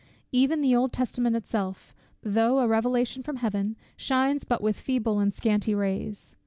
Even the Old Testament itself, though a revelation from Heaven, shines but with feeble and scanty rays.